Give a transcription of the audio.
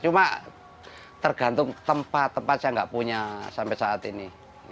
cuma tergantung tempat tempat saya nggak punya sampai saat ini